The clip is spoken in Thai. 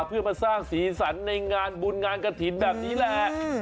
เพื่อมาสร้างสีสันในงานบุญงานกระถิ่นแบบนี้แหละ